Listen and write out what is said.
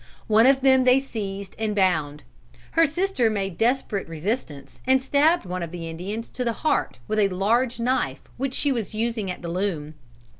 One of them they seized and bound. Her sister made desperate resistance, and stabbed one of the Indians to the heart with a large knife which she was using at the loom.